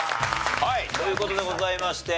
はいという事でございまして。